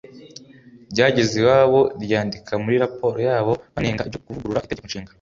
ryageze iwabo ryandika muri raporo yabo banenga ibyo kuvugurura Itegeko Nshinga